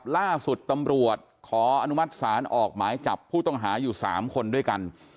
ล่าสุดตำรวจขออนุมัติศาลออกหมายจับผู้ต้องหาอยู่๓คนด้วยกัน